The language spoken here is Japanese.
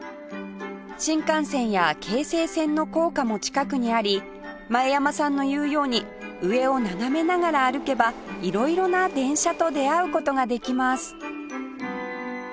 新幹線や京成線の高架も近くにあり前山さんの言うように上を眺めながら歩けば色々な電車と出会う事ができます